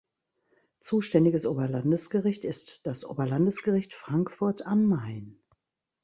Zuständiges Oberlandesgericht ist das Oberlandesgericht Frankfurt am Main.